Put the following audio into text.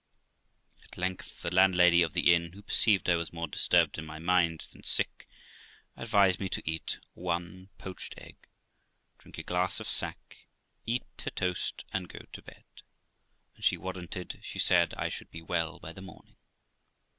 At length the landlady of the inn, who perceived I was more disturbed in my mind than sick, advised me to eat one poached egg, drink a glass of sack, eat a toast, and go to bed, and she warranted, she said, I should be well by the morning.